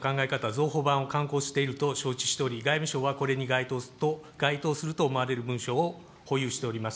増補版を刊行していると承知しており、外務省は該当すると思われる文書を保有しております。